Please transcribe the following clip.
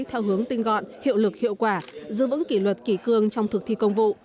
theo hướng tinh gọn hiệu lực hiệu quả giữ vững kỷ luật kỷ cương trong thực thi công vụ